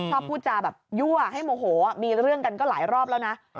พูดจาแบบยั่วให้โมโหมีเรื่องกันก็หลายรอบแล้วนะ